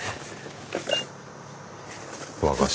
和菓子。